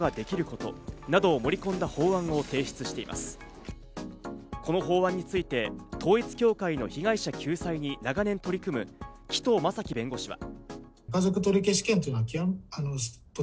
この法案について、統一教会の被害者救済に長年取り組む紀藤正樹弁護士は。